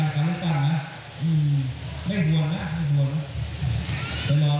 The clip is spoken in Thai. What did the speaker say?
ขอบคุณค่ะ